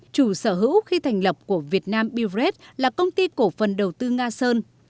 chủ sở hữu khi thành lập của việt nam bivret là công ty cổ phần đầu tư nga sơn